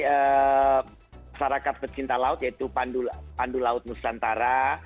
ada sarakat pecinta laut yaitu pandu laut nusantara